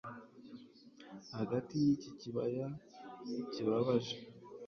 Hagati yiki kibaya kibabaje